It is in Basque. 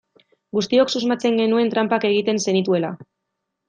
Guztiok susmatzen genuen tranpak egiten zenituela.